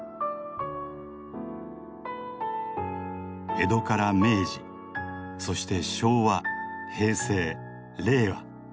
江戸から明治そして昭和平成令和。